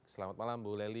selamat malam bu lely